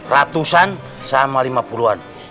ratusan sama limapuluan